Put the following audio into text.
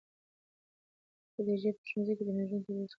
خدیجې په ښوونځي کې د نجونو د تدریس خوبونه لیدل.